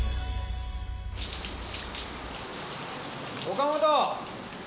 岡本！